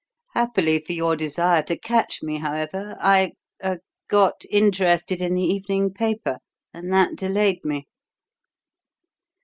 Happily for your desire to catch me, however, I er got interested in the evening paper, and that delayed me."